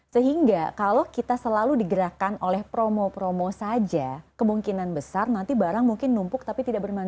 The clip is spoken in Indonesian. sehingga kalau kita selalu digerakkan oleh promo promo saja kemungkinan besar nanti barang mungkin numpuk tapi tidak bermanfaat